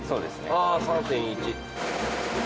ああ３．１。